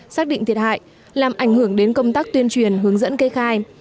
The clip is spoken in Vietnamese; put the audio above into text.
xác định thiệt hại làm ảnh hưởng đến công tác tuyên truyền hướng dẫn kê khai